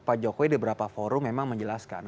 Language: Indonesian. pak jokowi di beberapa forum memang menjelaskan